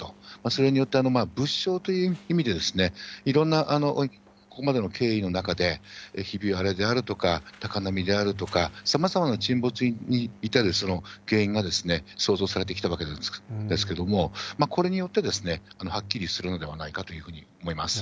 それによって物証という意味で、いろんなここまでの経緯の中で、ひび割れであるとか、高波であるとか、さまざまな沈没に至る原因が想像されてきたわけですけれども、これによってはっきりするのではないかというふうに思います。